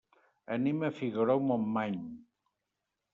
Anem a Figaró-Montmany.